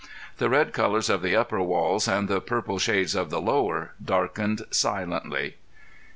The red colors of the upper walls and the purple shades of the lower darkened silently.